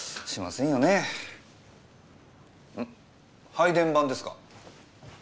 配電盤ですか？